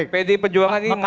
pd perjuangan ini mau selesai